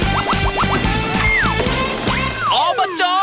อบจภาษาโชค